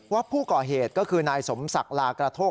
ว่าผู้ก่อเหตุก็คือนายสมศักดิ์ลากระโทก